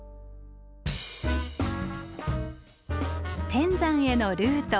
天山へのルート。